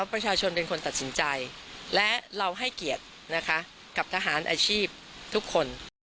ประชาชนเป็นคนตัดสินใจและเราให้เกียรตินะคะกับทหารอาชีพทุกคน